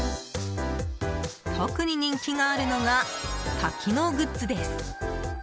特に人気があるのが多機能グッズです。